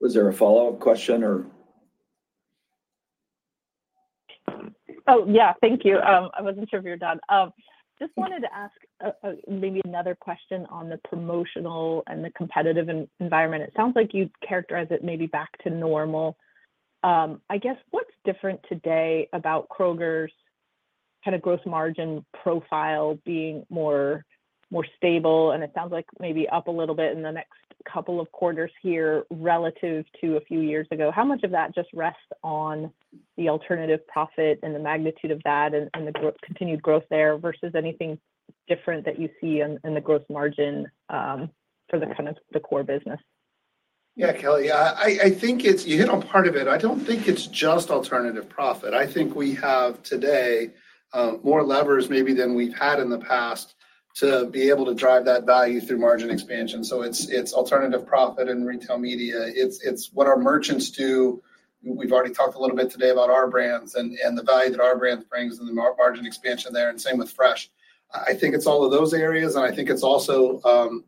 Was there a follow-up question or? Oh, yeah. Thank you. I wasn't sure if you were done. Just wanted to ask, maybe another question on the promotional and the competitive environment. It sounds like you'd characterize it maybe back to normal. I guess what's different today about Kroger's kind of gross margin profile being more stable, and it sounds like maybe up a little bit in the next couple of quarters here, relative to a few years ago? How much of that just rests on the alternative profit and the magnitude of that and the continued growth there, versus anything different that you see in the gross margin, for the kind of the core business? Yeah, Kelly, I, I think it's- you hit on part of it. I don't think it's just alternative profit. I think we have, today, more levers maybe than we've had in the past, to be able to drive that value through margin expansion. So it's, it's alternative profit and retail media. It's, it's what our merchants do. We've already talked a little bit today about Our Brands and, and the value that Our Brands brings and the margin expansion there, and same with Fresh. I think it's all of those areas, and I think it's also,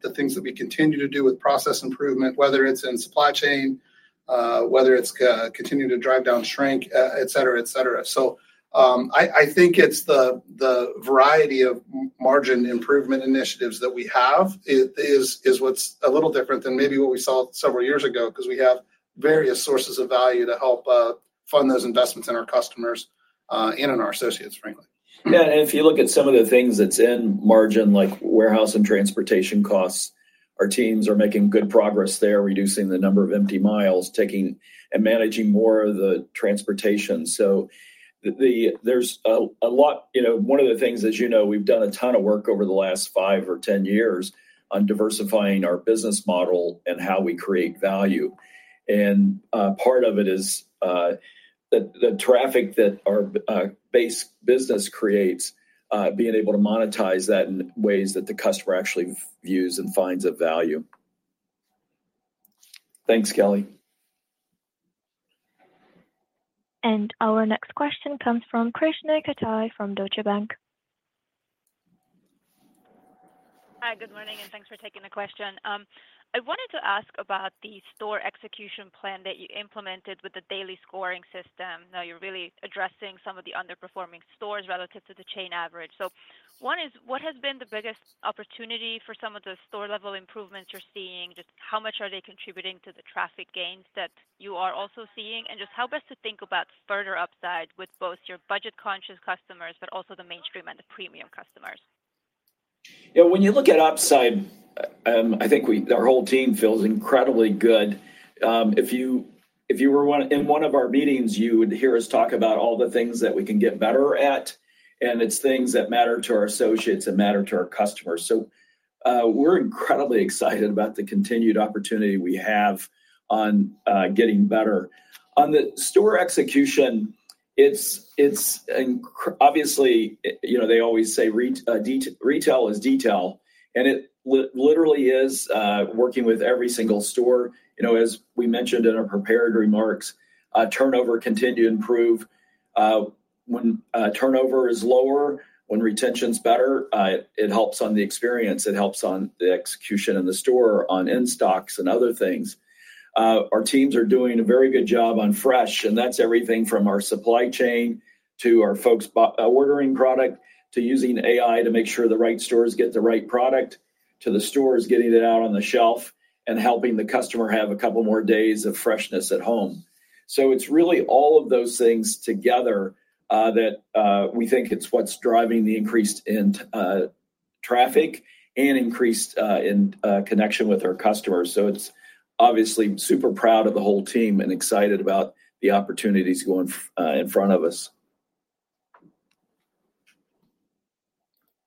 the things that we continue to do with process improvement, whether it's in supply chain, whether it's, continuing to drive down shrink, et cetera, et cetera. I think it's the variety of margin improvement initiatives that we have is what's a little different than maybe what we saw several years ago, 'cause we have various sources of value to help fund those investments in our customers and in our associates, frankly. Yeah, and if you look at some of the things that's in margin, like warehouse and transportation costs. Our teams are making good progress there, reducing the number of empty miles, taking and managing more of the transportation. So the, there's a lot, you know, one of the things, as you know, we've done a ton of work over the last five or 10 years on diversifying our business model and how we create value. And part of it is the traffic that our base business creates, being able to monetize that in ways that the customer actually views and finds of value. Thanks, Kelly. Our next question comes from Krisztina Katai from Deutsche Bank. Hi, good morning, and thanks for taking the question. I wanted to ask about the store execution plan that you implemented with the daily scoring system. Now, you're really addressing some of the underperforming stores relative to the chain average. So one is, what has been the biggest opportunity for some of the store-level improvements you're seeing? Just how much are they contributing to the traffic gains that you are also seeing? And just how best to think about further upside with both your budget-conscious customers, but also the mainstream and the premium customers? Yeah, when you look at upside, I think our whole team feels incredibly good. If you were in one of our meetings, you would hear us talk about all the things that we can get better at, and it's things that matter to our associates and matter to our customers. So, we're incredibly excited about the continued opportunity we have on getting better. On the store execution, it's incredibly obvious, you know, they always say retail is detail, and it literally is, working with every single store. You know, as we mentioned in our prepared remarks, turnover continue to improve. When turnover is lower, when retention's better, it helps on the experience, it helps on the execution in the store, on in-stocks and other things. Our teams are doing a very good job on Fresh, and that's everything from our supply chain to our folks ordering product, to using AI to make sure the right stores get the right product, to the stores getting it out on the shelf and helping the customer have a couple more days of freshness at home. So it's really all of those things together that we think it's what's driving the increase in traffic and increase in connection with our customers. So it's obviously super proud of the whole team and excited about the opportunities going in front of us.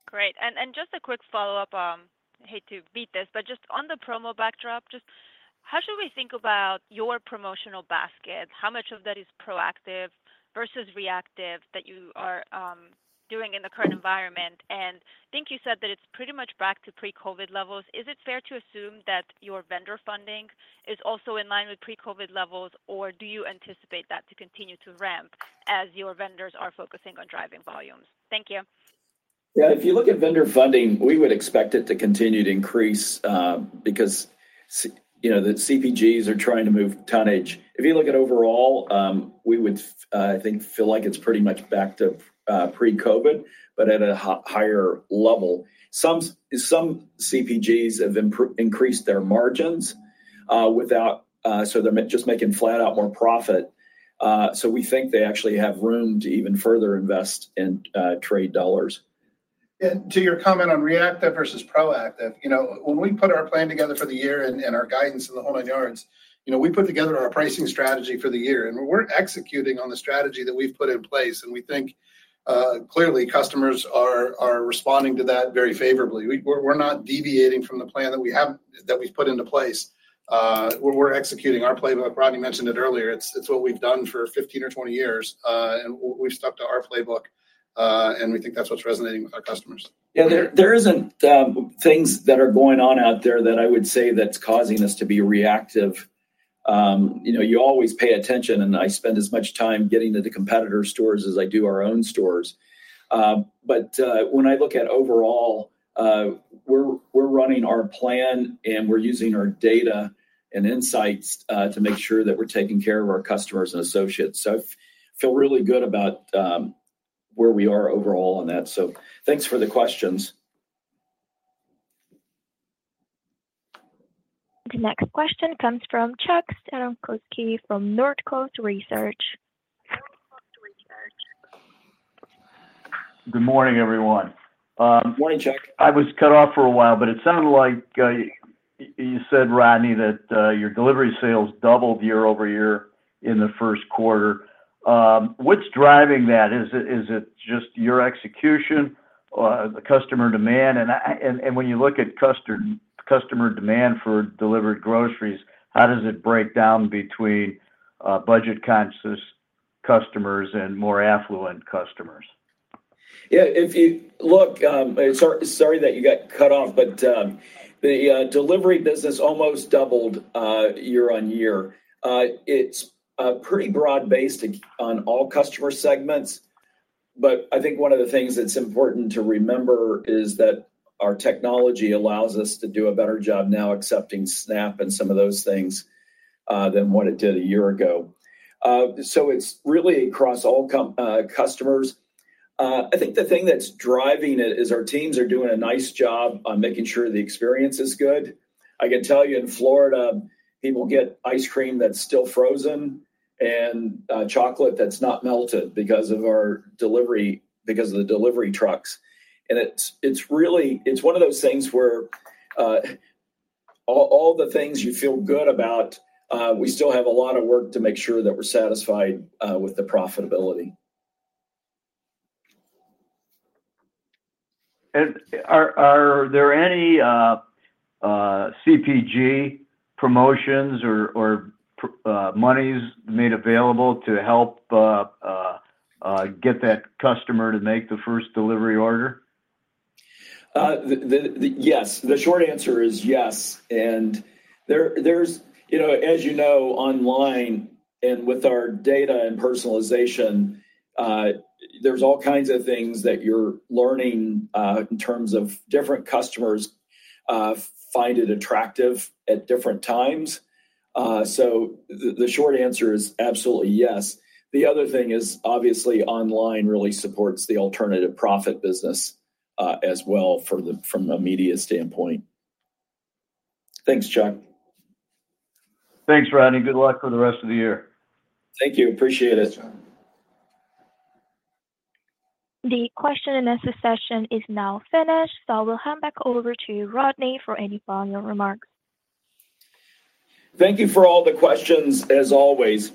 Great. And just a quick follow-up, I hate to beat this, but just on the promo backdrop, just how should we think about your promotional basket? How much of that is proactive versus reactive that you are doing in the current environment? And I think you said that it's pretty much back to pre-COVID levels. Is it fair to assume that your vendor funding is also in line with pre-COVID levels, or do you anticipate that to continue to ramp as your vendors are focusing on driving volumes? Thank you. Yeah, if you look at vendor funding, we would expect it to continue to increase, because you know, the CPGs are trying to move tonnage. If you look at overall, we would, I think, feel like it's pretty much back to pre-COVID, but at a higher level. Some CPGs have increased their margins, without, so they're just making flat out more profit. So we think they actually have room to even further invest in trade dollars. To your comment on reactive versus proactive, you know, when we put our plan together for the year and our guidance in the whole nine yards, you know, we put together our pricing strategy for the year, and we're executing on the strategy that we've put in place, and we think clearly, customers are responding to that very favorably. We're not deviating from the plan that we have, that we've put into place. We're executing our playbook. Rodney mentioned it earlier, it's what we've done for 15 or 20 years, and we've stuck to our playbook, and we think that's what's resonating with our customers. Yeah, there isn't things that are going on out there that I would say that's causing us to be reactive. You know, you always pay attention, and I spend as much time getting to the competitor stores as I do our own stores. But when I look at overall, we're running our plan, and we're using our data and insights to make sure that we're taking care of our customers and associates. So I feel really good about where we are overall on that. So thanks for the questions. The next question comes from Chuck Cerankosky from Northcoast Research. Good morning, everyone. Good morning, Chuck. I was cut off for a while, but it sounded like you said, Rodney, that your delivery sales doubled year-over-year in the first quarter. What's driving that? Is it, is it just your execution, the customer demand? And when you look at customer demand for delivered groceries, how does it break down between budget-conscious customers and more affluent customers? Yeah, look, sorry, sorry that you got cut off, but the delivery business almost doubled year-over-year. It's pretty broad-based on all customer segments, but I think one of the things that's important to remember is that our technology allows us to do a better job now accepting SNAP and some of those things than what it did a year ago. So it's really across all customers. I think the thing that's driving it is our teams are doing a nice job on making sure the experience is good. I can tell you in Florida, people get ice cream that's still frozen and chocolate that's not melted because of our delivery, because of the delivery trucks. And it's really one of those things where all the things you feel good about, we still have a lot of work to make sure that we're satisfied with the profitability. Are there any CPG promotions or monies made available to help get that customer to make the first delivery order? Yes. The short answer is yes, and there's, you know, as you know, online and with our data and personalization, there's all kinds of things that you're learning in terms of different customers find it attractive at different times. So the short answer is absolutely yes. The other thing is, obviously, online really supports the alternative profit business as well from a media standpoint. Thanks, Chuck. Thanks, Rodney. Good luck for the rest of the year. Thank you. Appreciate it. The question and answer session is now finished, so I will hand back over to Rodney for any final remarks. Thank you for all the questions, as always.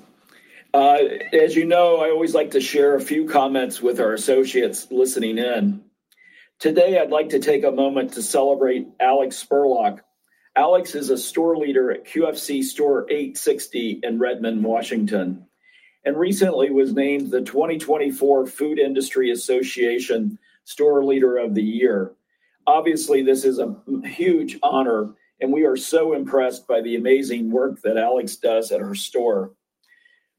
As you know, I always like to share a few comments with our associates listening in. Today, I'd like to take a moment to celebrate Alex Spurlock. Alex is a store leader at QFC Store 860 in Redmond, Washington, and recently was named the 2024 Food Industry Association Store Leader of the Year. Obviously, this is a huge honor, and we are so impressed by the amazing work that Alex does at her store.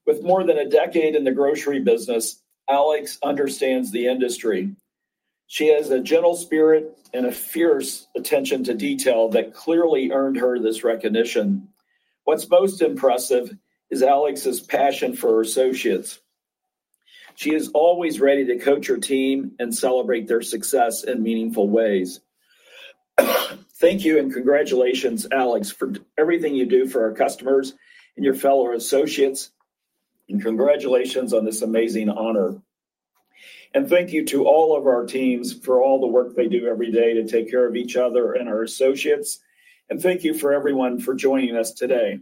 With more than a decade in the grocery business, Alex understands the industry. She has a gentle spirit and a fierce attention to detail that clearly earned her this recognition. What's most impressive is Alex's passion for her associates. She is always ready to coach her team and celebrate their success in meaningful ways. Thank you, and congratulations, Alex, for everything you do for our customers and your fellow associates, and congratulations on this amazing honor. Thank you to all of our teams for all the work they do every day to take care of each other and our associates. Thank you to everyone for joining us today.